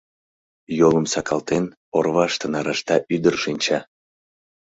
Йолым сакалтен, орваште нарашта ӱдыр шинча.